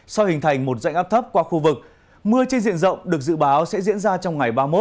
sau hình thành một dạnh áp thấp qua khu vực mưa trên diện rộng được dự báo sẽ diễn ra trong ngày ba mươi một